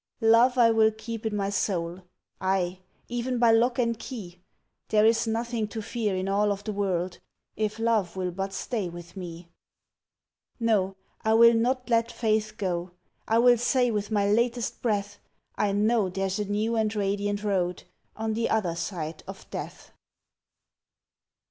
Love I will keep in my soul Ay! even by lock and key! There is nothing to fear in all of the world If Love will but stay with me. No, I will not let Faith go! I will say with my latest breath I know there's a new and radiant road On the other side of Death.